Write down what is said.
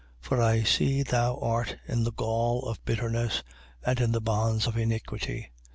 8:23. For I see thou art in the gall of bitterness and in the bonds of iniquity.